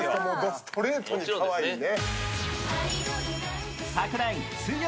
ストレートにかわいいね。